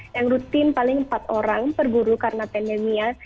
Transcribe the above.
yang rutin paling empat orang per guru karena pandemi ya